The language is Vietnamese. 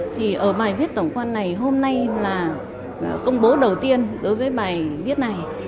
thì ở bài viết tổng quan này hôm nay là công bố đầu tiên đối với bài viết này